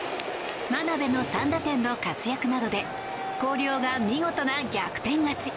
真鍋の３打点の活躍などで広陵が見事な逆転勝ち。